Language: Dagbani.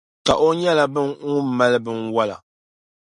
Ka o nyɛla ŋun mali binwola.